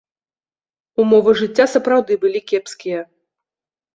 Умовы жыцця сапраўды былі кепскія.